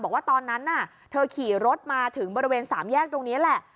บอกว่าตอนนั้นน่ะเธอขี่รถมาถึงบริเวณสามแยกตรงนี้แหละ